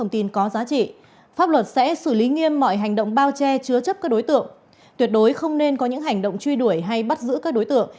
tuyệt đối không nên có những hành động truy đuổi hay bắt giữ các đối tượng